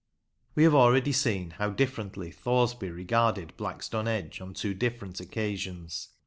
We have already seen how differently Thoresby regarded Blackstone Edge on two different occasions.